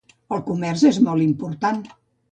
El comerç és molt important.